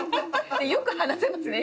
よく話せますね